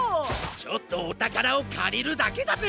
ちょっとおたからをかりるだけだぜ！